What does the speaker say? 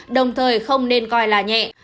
đồng thời không nên coi là nhẹ